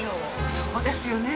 そうですよね。